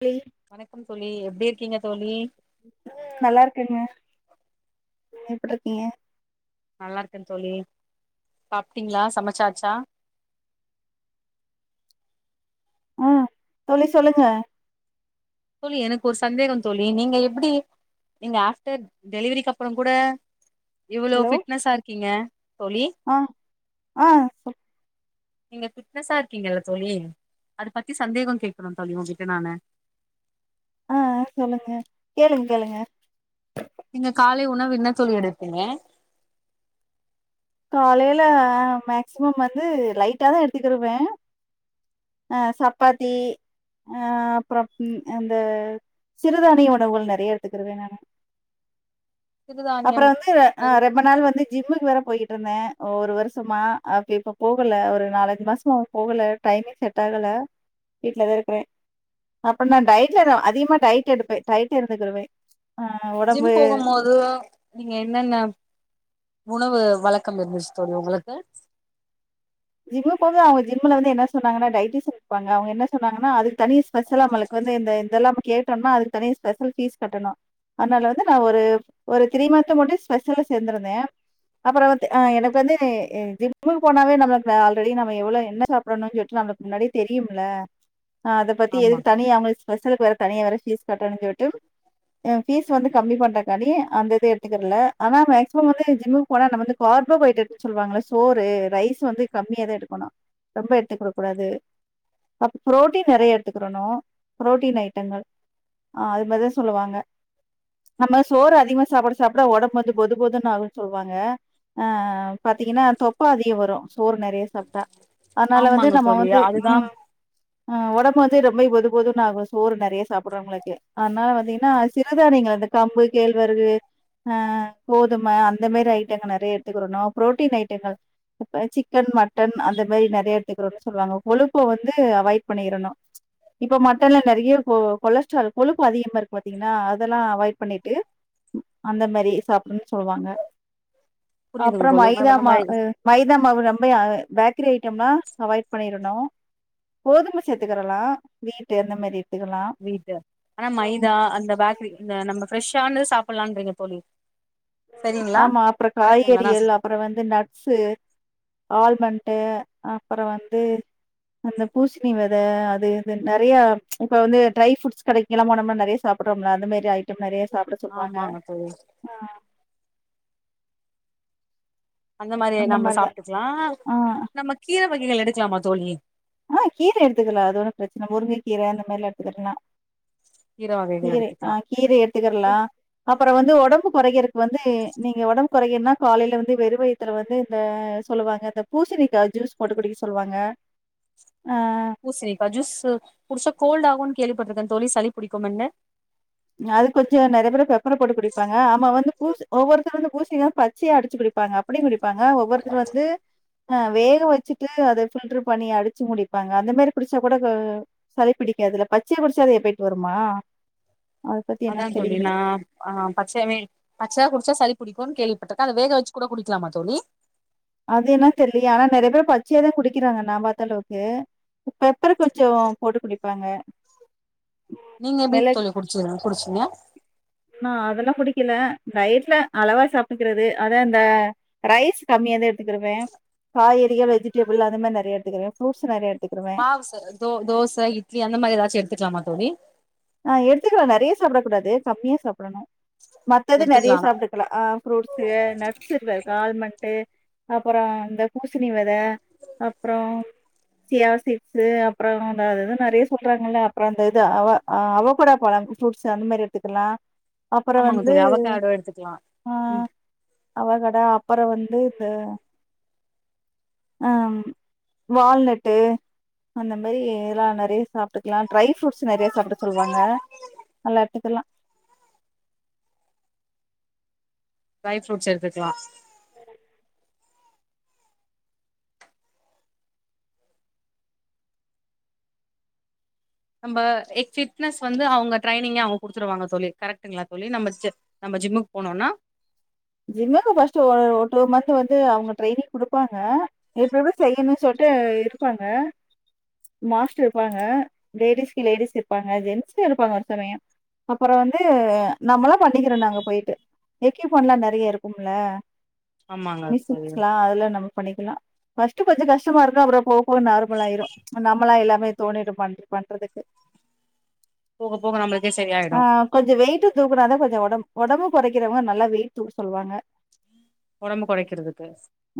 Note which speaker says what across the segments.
Speaker 1: லீ
Speaker 2: வணக்கம் தோழி எப்டி இருக்கீங்க தோழி
Speaker 1: ம் நல்லா இருக்கேங்க நீங்க எப்டிருக்கீங்க
Speaker 2: நல்லா இருக்கன் தோழி சாப்ட்டீங்கிளா சமச்சாச்சா
Speaker 1: ம் தோழி சொல்லுங்க
Speaker 2: தோழி எனக்கு ஒரு சந்தேகம் தோழி நீங்க எப்டி நீங்க ஆஃப்டர் டெலிவரிக்கு அப்புறம் கூட இவ்ளோ
Speaker 1: ஹலோ
Speaker 2: ஃபிட்னஸ்ஸா இருக்கீங்க தோழி
Speaker 1: ஆ ஆ சொல்
Speaker 2: நீங்க பிட்னஸா இருக்கீங்கல்ல தோழி அத பத்தி சந்தேகம் கேக்கணும் தோழி உங்கிட்ட நானு
Speaker 1: ஆ ஆ சொல்லுங்க கேளுங்க கேளுங்க
Speaker 2: நீங்க காலை உணவு என்ன தோழி எடுப்பீங்க
Speaker 1: காலையில மேக்சிமம் வந்து லைட்டா தா எடுத்துக்கிருவன் ஆ சப்பாத்தி ஆ அப்புறம் இந் அந்த சிறுதானிய உணவுகள் நறையா எடுத்துக்கிருவன் நானு
Speaker 2: சிறுதானியம்
Speaker 1: அப்புறம் வந்து ஆ
Speaker 2: எது?
Speaker 1: ரெம்ப நாள் வந்து ஜிம்முக்கு வேற போயிட் டுருந்தன் ஒரு வருஷமா அப்ப இப்ப போகல ஒரு நாலஞ்சி மாசமா ஆவும் போகல டைமே செட்டாகல வீட்லதா இருக்கிறே அப்புறம் நா டயட்லா நா அதிகமா டயட் எடுப்பே டையட் இருந்துக்கிருவன்
Speaker 2: ஜிம் போகுமோதோ நீங்க என்னன்ன உணவு வழக்கம் இருந்துச்சி தோழி ஒங்களுக்கு
Speaker 1: ஜிம்மு ஃபுட்தா அவங்க ஜிம்ல வந்து என்ன சொன்னாங்கன்னா டைட்டீஷியன் இருப்பாங்க அவங்க என்ன சொன்னாங்கன்னா அது தனி ஸ்பெஷலா நம்மளுக்கு வந்து இந்த இதெல்லாம் நம்ம கேட்டோன்னா அதுக்கு தனியா ஸ்பெஷல் ஃபீஸ் கட்டணும் அதனால வந்து நா ஒரு ஒரு த்ரி மந்த்து மட்டும் ஸ்பெஷல்ல சேந்துருந்தே அப்புறம் வத்து ஆ எனக்கு வந்து ஜிம்மு போனாவே நம்ம ல ஆல்ரெடி நம்ம எவ்ளோ என்ன சாப்பறணுன்னு சொல்ட்டு நம்மளுக்கு முன்னாடியே தெரியும் இல்ல ஆ அத பத்தி
Speaker 2: ஆமா
Speaker 1: எதுக்கு தனியா அவங்களுக்கு ஸ்பெஷலுக்கு வேற தனியா வேற ஃபீஸ் கட்டணு சொல்ட்டு ஏ ஃபீஸ் வந்து கம்மி பண்றக்கானி அந்த இது எடுத்துக்கிறல்ல ஆனா மேக்ஸிமம் வந்து ஜிம் போனா நம்ம வந்து கார்போஹைட்ரேட்ன்னு சொல்லுவாங்கள சோறு ரைஸ் வந்து கம்மியாதா எடுக்கணும் ரொம்ப எடுத்துக்க கூடாது அப்போ புரோட்டீன் நறையா எடுத்துக்கிறணும் புரோட்டீன் ஐட்டங்கள் ஆ அது மாரிதா சொல்லுவாங்க நம்ம சோறு அதிகம் சாப்ட சாப்ட ஒடம்பு வந்து பொது பொதுன்னு ஆகுன் சொல்வாங்க ஆ பாத்தீங்கன்னா தொப்பலா அதிகம் வரும் சோறு நிறைய சாப்பிட்டா அதனால வந்து
Speaker 2: ஆமாங்க
Speaker 1: நம்ம
Speaker 2: தோழி
Speaker 1: வந்து
Speaker 2: அதுதான்
Speaker 1: ஆ உடம்பு வந்து ரொம்ப பொது பொதும்னுஆகும் சோறு நிறைய சாப்பிடுறவங்களுக்கு அதனால வந்தீங்கன்னா சிறுதானியங்கள வந்து கம்பு கேழ்வரகு கோதுமை அந்த மாதிரி ஐட்டங்கள் நிறைய எடுத்துக்கிடணும் புரேட்டின் ஐட்டங்கள் சிக்கன் மட்டன் அந்த மாதிரி நிறைய எடுத்துக்கிறோம்னு சொல்லுவாங்க கொழுப்பை வந்து அவாய்ட் பண்ணிடணும் இப்ப மட்டன்ல நிறைய கொலஸ்ட்ரால் கொழுப்பு அதிகமா இருக்கு பாத்தீங்கன்னா அதெல்லாம் அவாய்ட் பண்ணிட்டு அந்த மாதிரி சாப்பிடனும்ன்னு சொல்லுவாங்க
Speaker 2: புரியுதுங்க தோழி நம்ம [unintelligible]
Speaker 1: இத நம்ம பேக்கரி ஐட்டமெலாம் அவாய்ட் பண்ணிடணும் கோதுமை சேர்த்துக்கரலாம் வீட்டு அந்த மாதிரி
Speaker 2: வீட்டு ஆனா மைதா அந்த பேக்கரி இந்த நம்ம ஃப்ரெஷ்ஷானது சாப்பிடலான்றீங்க தோழி சரிங்களா
Speaker 1: ஆமா அப்புறம்
Speaker 2: கரெக்டுங்களா நா
Speaker 1: காய்கறிகள் அப்புறம் வந்து நட்ஸு ஆல்மண்ட அப்புறம் வந்து அந்த பூசணி விதை அது நிறைய இப்ப வந்து ட்ரை ஃப்ரூட்ஸ் கிடைக்கும் இங்கெல்லாம் போணம்னா நிறைய சாப்பிட்றோமெல்ல அந்த மாரி ஐட்டம் நிறைய சாப்பிட சொல்லுவாங்க
Speaker 2: ஆமாங்க தோழி அந்த மாதிரி நம்ம
Speaker 1: மாரி தான்.
Speaker 2: சாப்பிட்டுக்கெலாம்
Speaker 1: ஆ.
Speaker 2: நம்ம கீரை வகைகள் எடுக்கலாமா தோழி
Speaker 1: ஆ கீரை எடுத்துக்கலாம் ஒரு பிரச்சனை முருங்கை கீரை அந்த மாதிரி எடுத்துக்கலாம்
Speaker 2: கீர வகைகள்
Speaker 1: கீரை ஆ
Speaker 2: எடுத்துக்கலா
Speaker 1: கீரை எடுத்துக்கிறலா அப்புறம் வந்து உடம்பு குறையிறதுக்கு வந்து நீங்க உடம்பு குறையுனா காலையில வந்து வெறு வயிறு வயித்துல வந்து இந்த சொல்லுவாங்க இந்த பூசணிக்கா ஜூஸ் போட்டு குடிக்க சொல்லுவாங்க ஆ
Speaker 2: பூசிணிக்கா ஜூஸ் புதுசா கோல்டு ஆகும்ன்னு கேள்விப்பட்டிருக்கேன் தோழி சளிடிக்கும்ன்னு
Speaker 1: அது கொஞ்சம் நிறைய பேரு பெப்பர் போட்டு குடிப்பாங்க ஆமா வந்து பூசு ஒவ்வொருத்தரும் வந்து பூசுணி பச்சையை அடிச்சு குடி ப்பாங்க அப்படியும் குடிப்பாங்க ஒவ்வொருத்தரு வந்து ஆ வேக வச்சுட்டு அதை ஃபில்டர் பண்ணி அடிச்சு முடிப்பாங்க அந்த மாதிரி குடிச்சா கூட சளி பிடிக்காது அதுல பச்சையை குடிச்சாலும் எ ஃபகட் வருமா அத பத்தி
Speaker 2: அதான்
Speaker 1: என்னன்னு
Speaker 2: தோழி
Speaker 1: தெரியல.
Speaker 2: நா ஆ பச்சையா குடிச்சா சளி புடிக்கும்னு கேள்விப்பட்டிருக்கேன் வேக வச்சு குடிக்கலாமா தோழி
Speaker 1: அது என்னா தெரியலையே ஆனா நிறைய பேர் பச்சையா தான் குடிக்கராக நா பார்த்த அளவுக்கு பெப்பர் கொஞ்சம் போட்டு குடிப்பாங்க
Speaker 2: நீங்க எப்படி
Speaker 1: மிளகு
Speaker 2: தோழி குடிச்சீங்க குடிச்சீங்களா
Speaker 1: நா அதெல்லாம் குடிக்கல டயட்ல அளவா சாப்பிட்டுக்கிறது அதான் இந்த ரைஸ் கம்மியா தான் எடுத்துக்குடுவேன் காய்கறிகள் வெஜிடபிள் அது மாதிரி நிறையா எடுத்துக்குவேன் ஃப்ரூட்ஸ் நிறைய எ
Speaker 2: மாவுச த தோசை இட்லி அந்த மாதிரி ஏதாச்சும் எடுத்துக்கலாமா தோழி
Speaker 1: ஆ எடுத்துக்கலாம் நிறைய சாப்பிடக் கூடாது கம்மியா சாப்பிடணும் மத்தது நிறையா
Speaker 2: எடுத்துக்கலா
Speaker 1: சாப்பிட ஃப்ரூட்ஸ நட்ஸ் இருக்குது ஆல்மண்டு அப்புறம் இந்த பூசணி விதை அப்புறம் சியா சிட்ஸு அப்புறம் அ அது நிறைய சொல்றாங்கல்ல அப்புறம் அந்த இது ஆ ஆ அவ கூட பழம் ஃப்ரூட்ஸ் அந்த மாதிரி எடுத்துக்கலாம் அப்புறம்
Speaker 2: ஆமாங்க
Speaker 1: வந்து
Speaker 2: தோழி அவக்காடோ எடுத்துக்கலா
Speaker 1: ம் அவ கடா அப்புறம் வந்து தா ஆ வால்நட்டு அந்த மாதிரி எல்லாம் நிறைய சாப்பட்டுக்கலாம் ட்ரை ஃபுட்ஸ் நிறைய சாப்பிட்டுகலாம் சொல்லுவாங்க நல்லா எடுத்துக்கலாம்
Speaker 2: ட்ரை ஃப்ரூட்ஸ் எடுத்துக்கலாம்
Speaker 1: [inaudible]
Speaker 2: நம்ம ஃபிட்னஸ் வந்து அவுங்க ட்ரைனிங்க அவுங்க குடுத்துருவாங்க தோழி கரெக்ட்டுங்ளா தோழி நம்ம நம்ம ஜிம்முக்கு போனோனா
Speaker 1: ஜிம்முக்கு ஃபர்ஸ்ட்டு ஒரு ஒரு டூ மந்த் வந்து அவுங்க ட்ரைனிங் குடுப்பாங்க இப்டி இப்டி செய்யணுன் சொல்ட்டு இருப்பாங்க மாஸ்டர் இருப்பாங்க லேடிஸ்க்கு லேடிஸ் இருப்பாங்க ஜென்ஸ்க்கு இருப்பாங்க ஒரு சமயோ அப்புறோ வந்து நம்மளா பண்ணிக்கிறோ நாங்க போயிட்டு எக்கியூப்மெண்ட்லா ந நறைய இருக்கும்ல
Speaker 2: ஆமாங்க தோழி
Speaker 1: மிஷின்ஸ்லா அதுல நம்ம பண்ணிக்கலா ஃபஸ்ட்டு கொஞ்சோ கஷ்டமா இருக்கு அப்புறோ போக போக நார்மல ஆயிரு நம்மளா எல்லாமே தோணிடும் பண் பண்றதுக்கு
Speaker 2: போக போக நம்பளுக்
Speaker 1: ஆ கொஞ்சோ வெயிட்டு தூக்குனாதா கொஞ்சோ ஒடம்ப ஒடம்பு குறைக்கிறவங்க நல்லா வெயிட் தூக்க சொல்லுவாங்க
Speaker 2: ஒடம்பு கொறைக்கறதுக்கு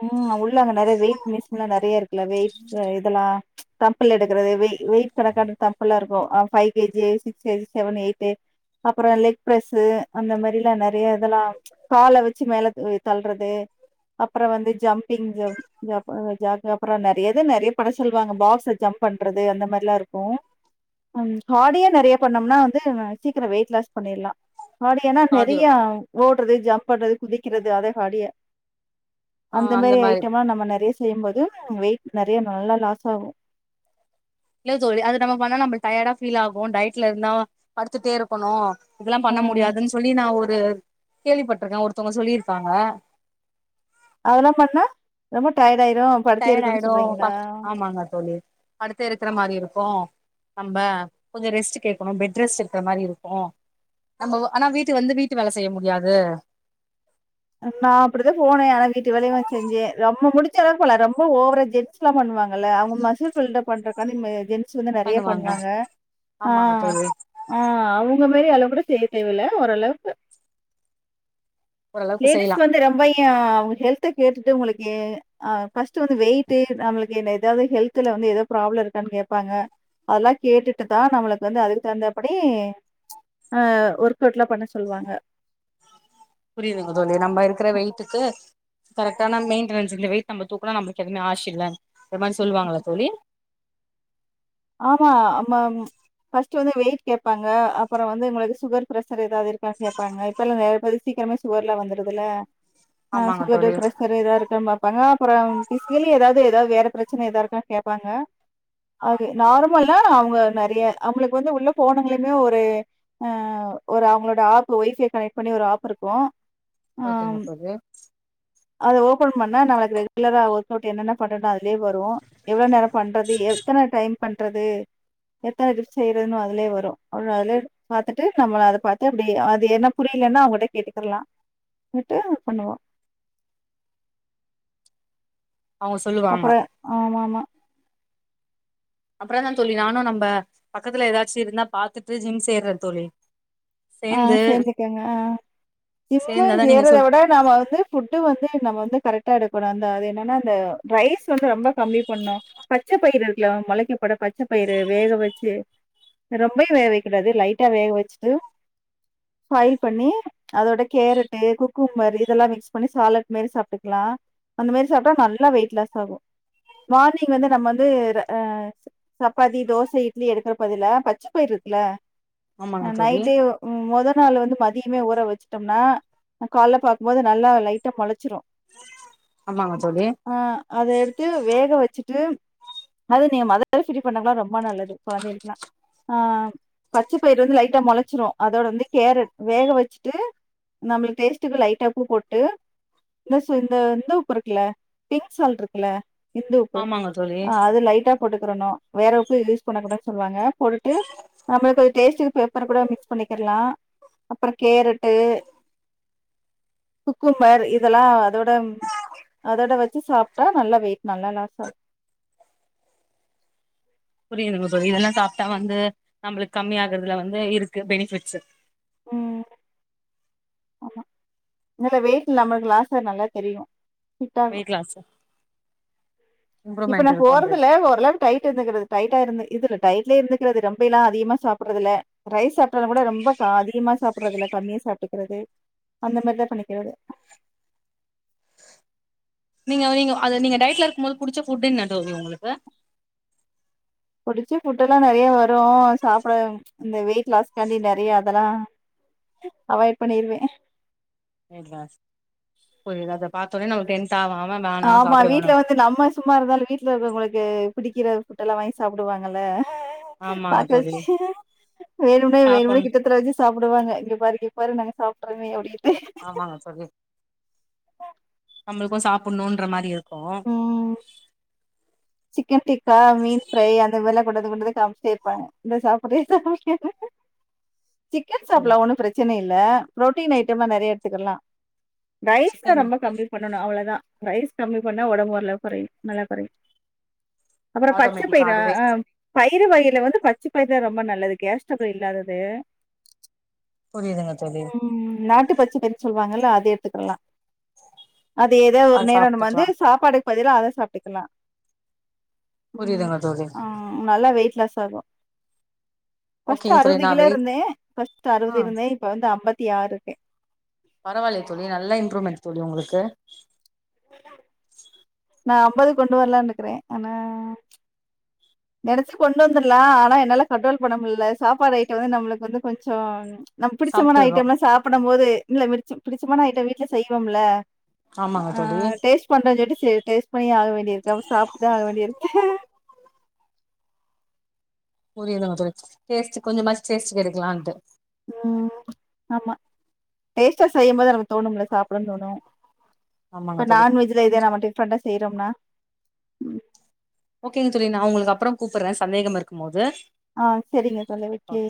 Speaker 1: ம் உள்ள அங்க நறைய வெயிட் மிஷின்லா நறைய இருக்குல்ல வெயிட்ஸ் இதல்லா தப்பல் எடுக்கிறது வெய் வெயிட் கணக்கான தப்பல்லா இருக்கு அ five KG six KG seven eight to அப்பறோ லெக் பிரஸ்ஸு அந்த மாரிலா நறைய இதெல்லா கால வச்சு மேல தள்ளறது அப்பற வந்து ஜம்பிங் ஜம் ஜ ஜா அப்புறோ நறைய இது நறைய பண்ண சொல்லுவாங்க பாக்ஸ்ல ஜம்ப் பண்றது அந்த மாரிலா இருக்கு ம் ஹாடியா நறைய பண்ணம்னா வந்து சீக்கரோ வெயிட் லாஸ் பண்ணிர்லா ஹாடியானா
Speaker 2: கார்டியோ
Speaker 1: நறையா ஓடுறது ஜம்ப் பண்றது குதிக்கிறது அத ஹாடியா அந்த மாரி ஐட்டம்லா நம்ம நறைய செய்யும்போது வெயிட் நறைய நல்லா லாஸ் ஆகு
Speaker 2: இல்ல தோழி அத நம்ம பண்ணா நம்ம டயர்டா ஃபீல் ஆகு டயட்ல இருந்தா படுத்துட்டே இருக்கணு இதெல்லாம்
Speaker 1: ஆ
Speaker 2: பண்ண முடியாதுன்னு சொல்லி நா ஒரு கேள்விப்பட்ருக்க ஒருத்தவுங்க சொல்லி இருக்காங்க
Speaker 1: அதல்லாம் பண்ணா ரொம்ப டயர்ட் ஆயிரு படுத்தே
Speaker 2: டய்ட்
Speaker 1: இருக்கணுனு
Speaker 2: ஆயிடு ப
Speaker 1: சொல்றீங்களா
Speaker 2: ஆமாங்க தோழி படுத்து இருக்கற மாரி இருக்கு நம்ப கொஞ்சோ ரெஸ்ட்டு கேக்கணு பெட் ரெஸ்ட் இருக்கற மாரி இருக்கு நம்ப ஆனா வீட்டு வந்து வீட்டு வேல செய்ய முடியாது
Speaker 1: நா அப்படிதா‌ போனே ஆனா வீட்டு வேலையு செஞ்ச ரொம்ப முடிஞ்ச அளவு போலி ரொம்ப ஓவர ஜெ ன்ஸ்லா பண்ணுவாங்கல்ல அவுங்க மசில் ஃபில்டப் பண்றதுக்கான்டி மே ஜென் ஸ் வந்து நறைய பண்ணுவாங்க ஆ
Speaker 2: ஆமாங்க தோழி
Speaker 1: ஆ அவுங்க மாரி அளவு கூட செய்ய தேவ இல்ல ஓரளவுக்கு
Speaker 2: ஓரளவுக்கு
Speaker 1: லேடிஸ்
Speaker 2: செய்யலா
Speaker 1: வந்து ரொம்பயு அவுங்க ஹெல்த்த கேட்டுட்டு உங்களுக்கு ஃபர்ஸ்ட்டு வந்து வெயிட்டு நம்பளுக்கு என்ன ஏதாவது ஹெல்த்துல வந்து ஏது ப்ராப்ளம் இருக்கான்னு கேப்பாங்க அதல்லா கேட்டுட்டு தா நம்மளுக்கு வந்து அதுக்கு தகுந்தாபடி அ ஒர்க் அவுட்லாம் பண்ண சொல்லுவாங்க
Speaker 2: புரியுதுங்க தோழி நம்ம இருக்கற வெய்ட்டுக்கு கரெக்டான மெயின் ட்டனன்ஸ் இந்த வெய்ட் நம்ப தூக்கனா நம்ம எவுமே ஆஷ் இல்ல இந்த மாரி சொல்லுவாங்கள தோழி
Speaker 1: ஆமா அமம் ஃபஸ்ட்டு வந்து வெயிட் கேப்பாங்க அப்புறோ வந்து உங்களுக்கு சுகர் பிரசர் ஏதாவது இருக்கான்னு கேப்பாங்க இப்பல்லா நறைய பேருக்கு சீக்கிரமே சுகர்லா வந்துடுதுல்ல அ
Speaker 2: ஆமாங்க
Speaker 1: சுகரு
Speaker 2: தோழி
Speaker 1: பிர்ரெஷரு எதா இருக் கான் பாப்பாங்க அப்புறோ பிசிக்கலி ஏதாவது ஏதாவது வேற பிரச்சன எதா இருக்கான்னு கேப்பாங்க நார்மலா அவுங்க நறைய அவுங்களுக்கு வந்து உள்ள போனங்களையுமே ஒரு ஆ ஒரு அவங்களோட ஆப்பு ஒய்ஃபை கனெக்ட் பண்ணி ஒரு ஆப் இருக்கு
Speaker 2: ஓகேங்க
Speaker 1: ஆம்
Speaker 2: தோழி
Speaker 1: அது ஓபன் பண்ணா நம்ம ரெகுலரா ஒர்க் அவுட் என்னன்ன பண்ணனு அதுலயே வரு எவ்ளோ நேரோ பண்றது எத்தனை டைம் பண்றது எடுத்தா எப்டி செய்றதுன்னு அதுலயே வரு அப்றோ அதுலயே பாத்துட்டு நம்மளு அத பாத்து அப்டியே அது என்ன புரியலன்னா அவுங்ககிட்ட கேட்டுக்கிடலா விட்டு பண்ணுவா
Speaker 2: அவங்க சொல்லுவாங்க
Speaker 1: அப்பற ஆமா ஆமா
Speaker 2: அப்பறந்தா தோழி நானு நம்ம பக்கத்துல எதாச்சு இருந்தா பாத்துட்டு ஜிம் சேர்றே தோழி
Speaker 1: ஆ
Speaker 2: சேந்து
Speaker 1: சேர்ந்துக்கங்க ஆ ஜிம்மு
Speaker 2: சேந்தாதா நீங்க
Speaker 1: ஏறத
Speaker 2: சொல்
Speaker 1: விட நம்ம வந்து ஃபுட்டு வந்து நம்ம வந்து கரெக்டா எடுக்கணு அந்த அது என்னன்னா அந்த ரைஸ் வந்து ரொம்ப கம்மி பண்ணணு பச்சப்பயிறு இருக்குல மொளைக்க போற பச்சப்பயிறு வேக வச்சு ரொம்பயு வேக வைக்கா கூடாது லைட்டா வேக வச்சுட்டு ஃபாய்ல் பண்ணி அதோட கேரட்டு குக்கும்மர் இதெல்லா மிக்ஸ் பண்ணி சாலட் மாரி சாப்பிட்டுக்கலா அந்த மாரி சாப்பிட்டா நல்லா வெயிட் லாஸ் ஆகு மார்னிங் வந்து நம்ம வந்து ஆ சப்பாத்தி தோச இட்லி எடுக்கற பதிலா பச்ச பயிரு இருக்குல
Speaker 2: ஆமாங்க தோழி
Speaker 1: நைட்டே மொத நாள் வந்து மதியமே ஊற வச்சுட்டோம்னா காலைல பார்க்கும்போது நல்லா லைட்டா மொளச்சிரு
Speaker 2: ஆமாங்க தோழி
Speaker 1: ஆ அத எடுத்து வேக வச்சுட்டு அது நீ மொதலவே சொல்லிருக்க வேண்டாமா ரொம்ப நல்லது கொழந்தைகளுக்குலா ஆ பச்சப்பயிறு வந்து லைட்டா மொளச்சிரு அதோட வந்து கேரட் வேக வச்சுட்டு நம்மளை டேஸ்ட்டுக்கு லைட்டா உப்பு போட்டு இந்த சூ இந்த உப்பு இருக்குல்ல டிக் சால்டு இருக்குல்ல இந்து உப்பு
Speaker 2: ஆமாங்க தோழி
Speaker 1: அது லைட்டா போட்டுக்கிறணு வேற உப்பு யூஸ் பண்ண கூடதுனு சொல்லுவாங்க போட்டுட்டு நம்மளுக்கு அது டேஸ்டுகு பெப்பர் கூட மிக்ஸ் பண்ணிக்கிடலா அப்புறோ கேரட்டு குக்கும்மர் இதெல்லா அதோட ம் அதோட வச்சு சாப்பிட்டா நல்ல வெயிட் நல்லா லாஸ் ஆகு
Speaker 2: புரியுதுங்க தோழி இதெல்லா சாப்பிட்டா வந்து நம்மளுக்கு கம்மி ஆகறதுல வந்து இருக்கு பெனிபிட்ஸு
Speaker 1: ம் இல்லல்ல வெயிட் நம்மளுக்கு லாஸ்ட்ல நல்லா தெரியு ஃபிட் ஆகு
Speaker 2: வெயிட் லாஸ்சா
Speaker 1: இப்ப நா போறதில்ல ஓரளவுக் டைட் இருந்துக்கிறது டைட்டா இருந்து இதுல டயட்லே இருந்துகிறது ரொம்பயெல்லா அதிகமா சாப்பிடுறது இல்ல ரைஸ் சாப்பிட்டாலு கூட ரொம்ப க அதிகமா சாப்பிடுறது இல்ல கம்மியா சாட்டுக்கிறது அந்த மாதிரிதா பண்ணிக்கிறது
Speaker 2: நீங்க நீங்க அது நீங்க டயட்ல இருக்கு போது புடிச்ச புட்டு என்ன டோரி உங்களுக்கு
Speaker 1: புடிச்சு ஃபுட்டெல்லா நறையா வரு சாப்பிட இந்த வெயிட் லாஸ்காண்டி நறையா அதெல்லா அவாய்ட் பண்ணிடுவே
Speaker 2: வெயிட் லாஸ் புரியது அத பாத்தோடனே நமக்கு டெம்ப்ட் ஆவான் அவன் வேணா
Speaker 1: ஆமா
Speaker 2: சாப்பிட வேணா
Speaker 1: வீட்ல வந்து நம்ம சும்மா இருந்தாலு வீட்டுல இருக்கிறவங்களுக்கு பிடிக்கிற ஃபுட் எல்லா வாங்கி சாப்பிடுவாங்கல்ல
Speaker 2: ஆமாங்க
Speaker 1: பாக்க
Speaker 2: தோழி
Speaker 1: வச்சி வேணும்னே வேணும்னே
Speaker 2: சாப்புட்ணு
Speaker 1: கிட்டத்தல வச்சி சாப்பிடுவாங்க இப்டி பாரு டி பாரு நாங்க சாப்ட்ருவோமே எப்டி
Speaker 2: ஆமாங்கனு சொல்லி நம்மளுக்கு சாப்பிடணும்ன்ற மாதிரி இருக்கு
Speaker 1: ம் சிக்கன் டிக்கா மீன் ஃப்ரை அந்தமாரில்லா போட்டது மட்டுந்தா காமிச்சிட்டே இருப்பாங்க இந்தா சாப்பிடுறியா சாப்பிடுறியான்னு சிக்கன் சாப்டலா
Speaker 2: புரியுது
Speaker 1: ஒன்னு பிரச்சனை பிரச்சனை இல்ல புரோட்டின் ஐட்டம் எல்லா நறையா எடுத்துக்கலா ரைஸ் தா
Speaker 2: சிக்கனு
Speaker 1: ரொம்ப கம்மி பண்ணு பண்ணணு அவ்ளோதா ரைஸ் கம்மி பண்ணா ஒடம்பு நல்லா குறையு நல்லா குறையு அப்புறோ பச்ச
Speaker 2: ஆட்டோமேட்டிக்கா
Speaker 1: பயிரா
Speaker 2: அதுவே
Speaker 1: ஆ பயிறு வகையில வந்து பச்சு பயிரு தா ரொம்ப நல்லது கேஸ்டபுள் இல்லாதது
Speaker 2: புரியுதுங்க தோழி
Speaker 1: ம் நாட்டு பச்ச பயிரு சொல்வாங்கல்ல அது எடுத்துக்கலா அது எதோ ஒரு
Speaker 2: அது
Speaker 1: நேரோ நம்ம
Speaker 2: சாப்ட்டுக்கலா
Speaker 1: வந்து சாப்பாடுக்கு பதிலா அத சாப்ட்டுக்கலா
Speaker 2: புரியுதுங்க தோழி
Speaker 1: ம் நல்லா வெயிட் லாஸ் ஆகு ஃபஸ்ட்டு
Speaker 2: ஓகேங்க தோழி
Speaker 1: அறுவது
Speaker 2: நா
Speaker 1: கிலோ
Speaker 2: வெயிட்
Speaker 1: இருந்தே ஃபஸ்ட்டு
Speaker 2: ஆ
Speaker 1: அறுவது இருந்தே இப்ப வந்து அம்பத்தி ஆறுக்கே
Speaker 2: பரவால்லயே தோழி நல்லா இம்ப்ரூவ்மெண்ட் தோழி உங்களுக்கு
Speaker 1: நா அம்பது கொண்டு வரலான்னுக்கறே ஆனா நெனச்சி கொண்டு வந்துர்லா ஆனா என்னால கண்ட்ரோல் பண்ண முல்ல சாப்பாடு ஐட்டோ வந்து நம்முளுக்கு வந்து கொஞ்சோ நம் பிடிச்சமான
Speaker 2: சாப்ட்டுறோ
Speaker 1: ஐட்டம்ல்லா சாப்பட போது இல்ல மிருச்சம் பிடிச்சமான ஐட்டம் வீட்ல செய்வோம் இல்ல
Speaker 2: ஆமாங்க
Speaker 1: ஆ
Speaker 2: தோழி
Speaker 1: டேஸ்ட் பண்ற சொல்லி செரி டேஸ்ட் பண்ணி ஆக வேண்டிய இருக்கு அப்ப சாப்ட்டுதா ஆக வேண்டி இருக்கு
Speaker 2: புரியுதுங்க தோழி டேஸ்ட் கொஞ்சமாச்சி டேஸ்ட் க்கு எடுக்கலான்ட்டு
Speaker 1: ம் ஆமா டேஸ்ட்டா செய்யு போது நமக்கு தோணும்ல்ல சாப்புட தோணு இப்ப
Speaker 2: ஆமாங்க தோழி
Speaker 1: நான்வெஜ்ல இதே
Speaker 2: கொஞ்ச
Speaker 1: நம்ம டிஃப்ரெண்டா செய்யறோம்னா
Speaker 2: ஓகேங்க தோழி நா உங்களுக்கு அப்றோ கூப்புறே சந்தேகம் இருக்கு மோது
Speaker 1: ஆ செரிங்க தோழி ஓகே